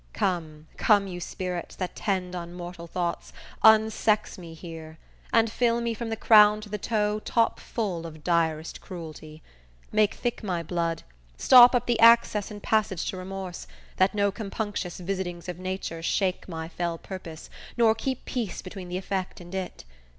_"Come, come, you spirits That tend on mortal thoughts, unsex me here; And fill me from the crown to the toe, top full Of direst cruelty! Make thick my blood, Stop up the access and passage to remorse; That no compunctious visitings of nature Shake my fell purpose, nor keep peace between The effect and it!